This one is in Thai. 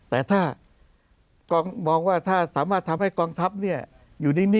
แต่ถ้าสามารถทำให้กองทัพอยู่นิ่งนะ